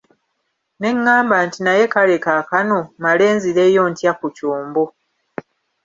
Ne nnamba nti naye kale kaakano mmale nzireyo ntya ku kyombo?